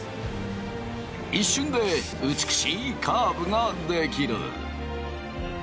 一瞬で美しいカーブが出来る。